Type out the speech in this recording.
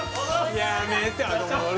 やめてよ